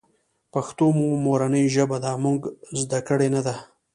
پښتو مو مورنۍ ژبه ده مونږ ذده کــــــــړې نۀ ده